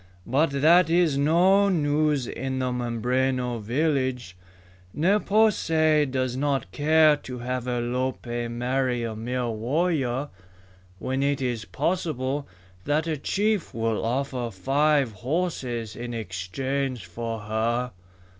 "But that is no news in the Mimbreno village. Ne po se does not care to have Alope marry a mere warrior when it is possible that a chief will offer five horses in exchange for her."